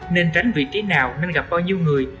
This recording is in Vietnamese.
nên tránh vị trí nào nên gặp bao nhiêu người